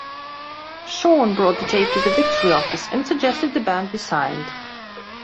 Sean brought the tape to the Victory office and suggested the band be signed.